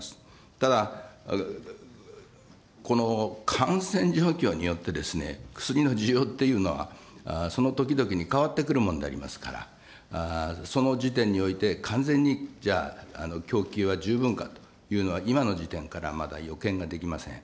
ただ、この感染状況によって、薬の需要っていうのはその時々に変わってくるものでありますから、その時点において、完全に、じゃあ、供給は十分かというのは、今の時点からまだ予見ができません。